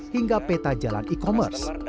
hingga peta jalan e commerce